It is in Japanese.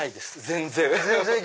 全然。